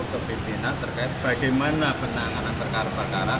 ke pimpinan terkait bagaimana penanganan perkara perkara